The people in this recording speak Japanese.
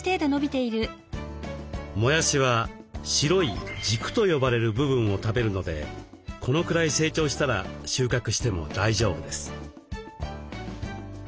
もやしは白い「軸」と呼ばれる部分を食べるのでこのくらい成長したら収穫しても大丈夫です。